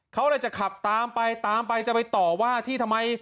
เขาเลยจะขับตามไปตามไปจะไปต่อว่าที่ทำไม